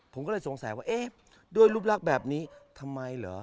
ผมก็เลยสงสัยว่าเอ๊ะด้วยรูปลักษณ์แบบนี้ทำไมเหรอ